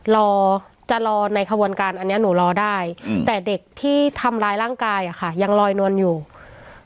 รอจะรอในขบวนการอันเนี้ยหนูรอได้อืมแต่เด็กที่ทำร้ายร่างกายอ่ะค่ะยังลอยนวลอยู่